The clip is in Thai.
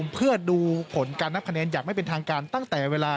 เพื่อดูผลการนับคะแนนอย่างไม่เป็นทางการตั้งแต่เวลา